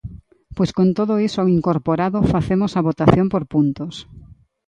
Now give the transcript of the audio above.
Pois con todo iso incorporado, facemos a votación por puntos.